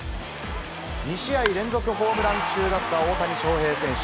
２試合連続ホームラン中の大谷翔平選手。